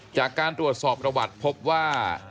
จากการตรวจสอบประวัติพบว่า